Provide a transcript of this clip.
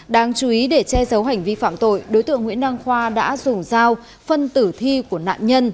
đáng chú ý để che giấu hành vi phạm tội đối tượng nguyễn đăng khoa đã dùng dao phân tử thi của nạn nhân